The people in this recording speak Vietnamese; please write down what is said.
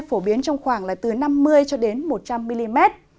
phổ biến trong khoảng từ năm mươi một trăm linh mm